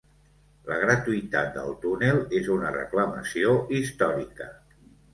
La gratuïtat del túnel és una reclamació històrica.